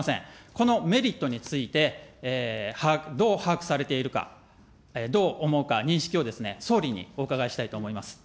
このメリットについてどう把握されているか、どう思うか認識を総理にお伺いしたいと思います。